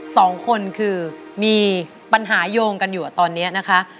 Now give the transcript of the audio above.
สองคนคือมีปัญหาโยงกันอยู่ตอนนี้นะคะ